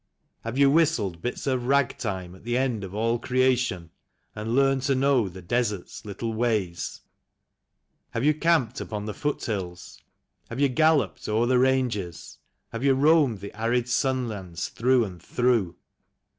Have you whistled bits of rag time at the end of all creation. And learned to know the desert's little ways? 20 THE CALL OF THE WILD. Have you camped upon the foothills, have you galloped o'er the ranges, Have you roamed the arid sun lands through and through?